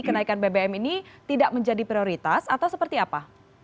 kenaikan bbm ini tidak menjadi prioritas atau seperti apa